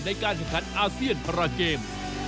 ในการแข่งขันอาเซียนพาราเกม